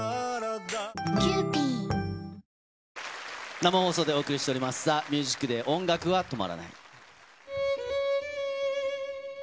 生放送でお送りしております、ＴＨＥＭＵＳＩＣＤＡＹ音楽は止まらない。